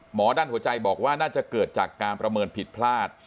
ด้านหัวใจบอกว่าน่าจะเกิดจากการประเมินผิดพลาด